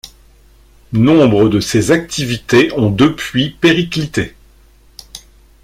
Nombre de ces activités ont depuis périclité.